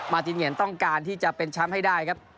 ตินเหงียนต้องการที่จะเป็นแชมป์ให้ได้ครับ